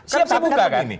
siap saja dibuka